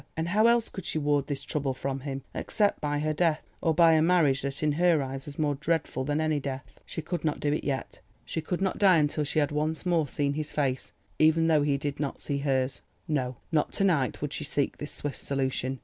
And how else could she ward this trouble from him except by her death, or by a marriage that in her eyes was more dreadful than any death? She could not do it yet. She could not die until she had once more seen his face, even though he did not see hers. No, not to night would she seek this swift solution.